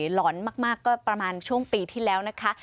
หลอนมากก็ประมาณช่วงปีที่แล้วนะคะ